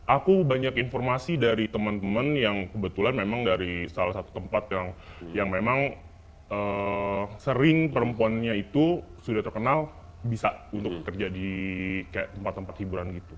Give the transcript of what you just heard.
aku banyak informasi dari teman teman yang kebetulan memang dari salah satu tempat yang memang sering perempuannya itu sudah terkenal bisa untuk kerja di tempat tempat hiburan gitu